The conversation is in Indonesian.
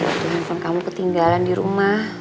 tadinya tonton kamu ketinggalan di rumah